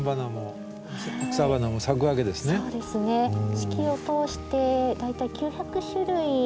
四季を通して大体９００種類。